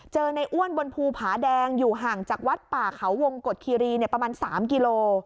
เจอในอ้วนบนภูผาแดงอยู่ห่างจากวัดป่าเขาวงกฎคีรีประมาณ๓กิโล